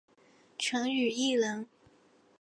陈与义人。